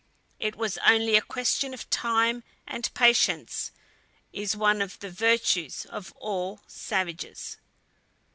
It was only a question of time, and patience is one of the virtues of all savages.